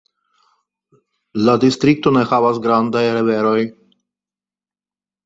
La distrikto ne havas grandaj riveroj.